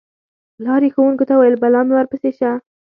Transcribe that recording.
پلار یې ښوونکو ته وویل: بلا مې ورپسې شه.